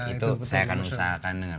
itu saya akan usahakan dengar